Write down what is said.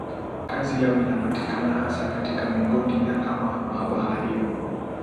Kazi yao inapatikana hasa katika migodi na kama mabaharia.